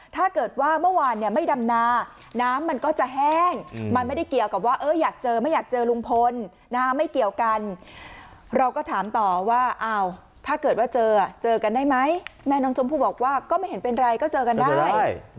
ถ้าเกิดว่าเมื่อวานเนี่ยไม่ดำนาน้ำมันก็จะแห้งมันไม่ได้เกี่ยวกับว่าอยากเจอไม่อยากเจอลุงพลนะไม่เกี่ยวกันเราก็ถามต่อว่าอ้าวถ้าเกิดว่าเจอเจอกันได้ไหมแม่น้องชมพู่บอกว่าก็ไม่เห็นเป็นไรก็เจอกันได้